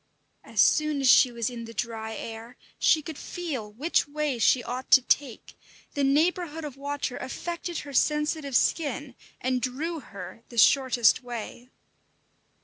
As soon as she was in the dry air, she could feel which way she ought to take; the neighbourhood of water affected her sensitive skin and drew her the shortest way.